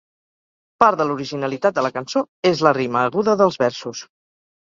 Part de l'originalitat de la cançó és la rima aguda dels versos.